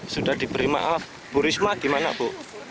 sudah diberi maaf bu risma gimana bu